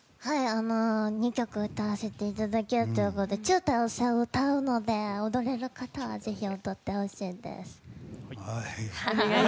２曲歌わせていただけるということで私は歌うので踊れる方はぜひ踊ってほしいです。